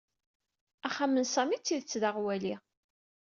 Axxam n Sami d tidet d aɣwali.